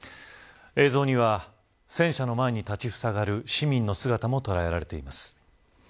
映像には戦車の前に立ちふさがる市民の姿も捉えられています。